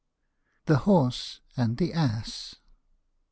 THE HORSE AND THE ASS.